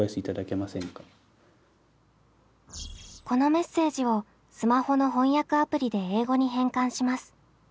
このメッセージをスマホの翻訳アプリで英語に変換します。